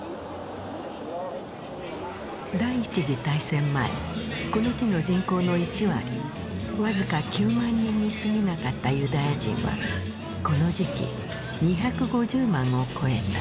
第一次大戦前この地の人口の１割僅か９万人にすぎなかったユダヤ人はこの時期２５０万を超えた。